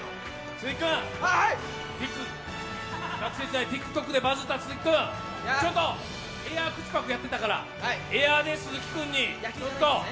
学生時代ＴｉｋＴｏｋでバズった鈴木君エア口パクやってたから、エアで鈴木君に。